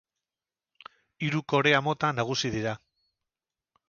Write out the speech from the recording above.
Hiru korea mota nagusi dira.